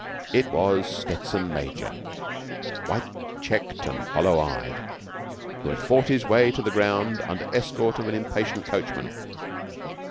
It was Stettson major, white checked and hollow eyed, who had fought his way to the ground under escort of an impatient coachman.